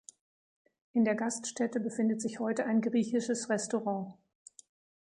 In der Gaststätte befindet sich heute ein griechisches Restaurant.